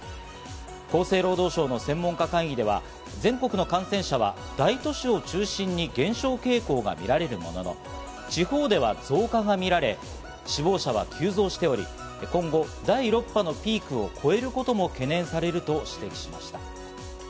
厚生労働省の専門家会議では、全国の感染者は大都市を中心に減少傾向が見られるものの、地方では増加がみられ、死亡者は急増しており、今後、第６波のピークを超えることも懸念されると指摘しました。